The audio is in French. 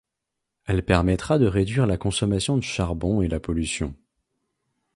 Elle permettra de réduire la consommation de charbon et la pollution.